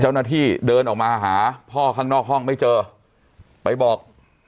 เจ้าหน้าที่เดินออกมาหาพ่อข้างนอกห้องไม่เจอไปบอก